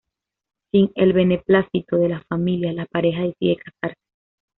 Sin el beneplácito de las familias, la pareja decide casarse.